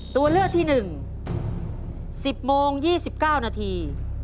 ตัวเลือกที่๑๑๐โมง๒๙นาที